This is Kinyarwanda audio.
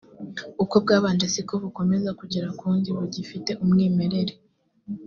uko bwabanje siko bukomeza kugera ku wundi bugifite umwimerere